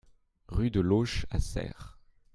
Rue de L'Auche à Serres